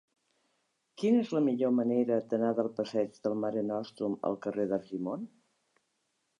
Quina és la millor manera d'anar del passeig del Mare Nostrum al carrer d'Argimon?